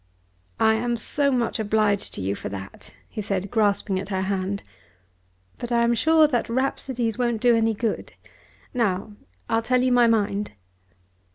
"I am so much obliged to you for that," he said, grasping at her hand. "But I am sure that rhapsodies won't do any good. Now I'll tell you my mind."